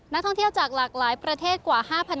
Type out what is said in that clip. นักท่องเที่ยวจากหลากหลายประเทศกว่า๕๐๐